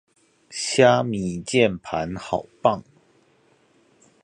蝦米鍵盤好棒